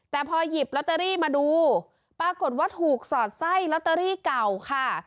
แต่พอหยิบลอตเตอรี่มาดูปรากฏว่าถูกสอดไส้ลอตเตอรี่เก่าค่ะ